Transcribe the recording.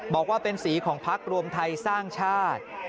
บอกว่าเป็นสีของพักรวมไทยสร้างชาติ